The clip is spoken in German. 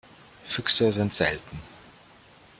Füchse sind selten.